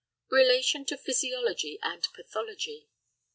Note A A. RELATION TO PHYSIOLOGY AND PATHOLOGY.